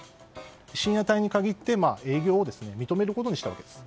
深夜帯に限って営業を認めることにしたわけです。